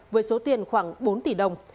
với số tiền khoảng bốn tỷ đồng